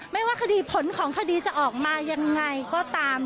ไม่ว่าคดีผลของคดีจะออกมายังไงก็ตาม